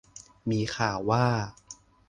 มีข่าวว่า